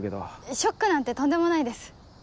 ショックなんてとんでもないです。